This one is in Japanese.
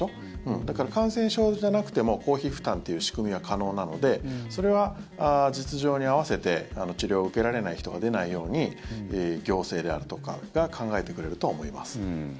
だから、感染症じゃなくても公費負担っていう仕組みは可能なのでそれは実情に合わせて治療を受けられない人が出ないように行政であるとかが考えてくれると思います。